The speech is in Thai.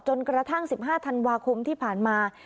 จนกระทั่ง๑๕ธันวาคมที่ผ่านมา